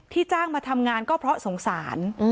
จ้างมาทำงานก็เพราะสงสาร